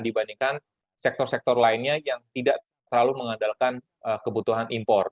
dibandingkan sektor sektor lainnya yang tidak terlalu mengandalkan kebutuhan impor